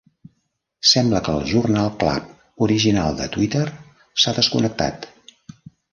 Sembla que el Journal Club original de Twitter s'ha desconnectat.